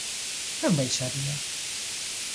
Quen baixaría?